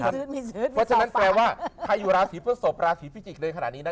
เพราะฉะนั้นแปลว่าใครอยู่ราศีพฤศพราศีพิจิกษ์ในขณะนี้นะ